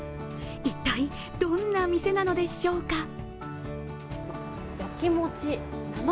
一体、どんな店なのでしょうか。